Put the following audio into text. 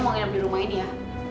mau nginem di rumah ini ya